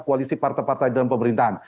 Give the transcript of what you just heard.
koalisi partai partai dalam pemerintahan